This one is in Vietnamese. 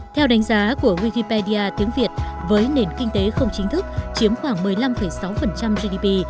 theo đánh giá của wigipedia tiếng việt với nền kinh tế không chính thức chiếm khoảng một mươi năm sáu gdp